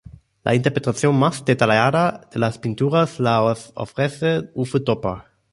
La interpretación más detallada de las pinturas las ofrece Uwe Topper.